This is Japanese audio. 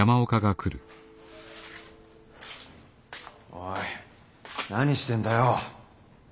おい何してんだよ。